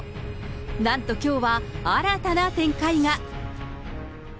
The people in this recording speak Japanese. なんときょうは新たな展開が。